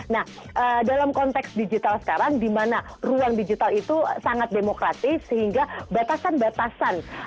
nah dalam konteks digital sekarang di mana ruang digital itu sangat demokratis sehingga batasan batasan